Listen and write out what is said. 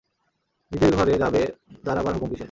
নিজের ঘরে যাবে তার আবার হুকুম কিসের?